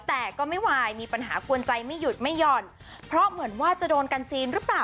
แต่ก็ไม่วายมีปัญหากวนใจไม่หยุดไม่หย่อนเพราะเหมือนว่าจะโดนกันซีนหรือเปล่า